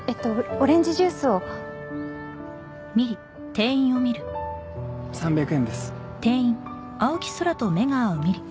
オレンジジュースを３００円です